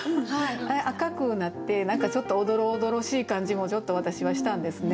あれ赤くなって何かちょっとおどろおどろしい感じもちょっと私はしたんですね。